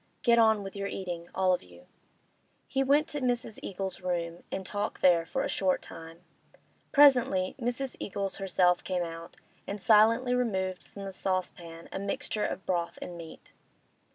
Get on with your eatin', all of you.' He went to Mrs. Eagles' room and talked there for a short time. Presently Mrs. Eagles herself came out and silently removed from the saucepan a mixture of broth and meat.